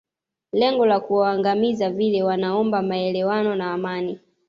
lengo la kuwaangamiza vile wanaomba maelewano na amani